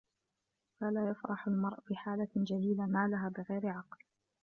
فَلَا يَفْرَحُ الْمَرْءُ بِحَالَةٍ جَلِيلَةٍ نَالَهَا بِغَيْرِ عَقْلٍ